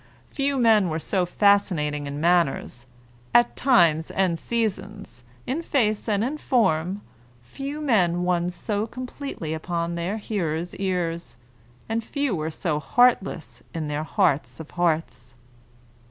Few men were so fascinating in manners, at times and seasons, in face and in form, few men won so completely upon their hearers' ears, and few were so heartless in their hearts of hearts.